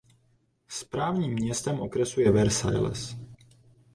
Správním městem okresu je Versailles.